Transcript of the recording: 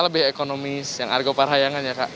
lebih ekonomis yang argo parahyangan ya kak